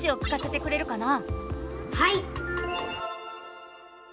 はい！